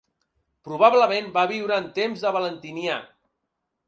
Probablement va viure en temps de Valentinià.